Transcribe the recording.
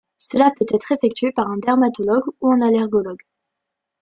Cela peut être effectué par un dermatologue ou un allergologue.